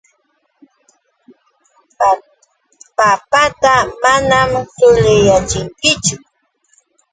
Papata manam suliyachinchikchu.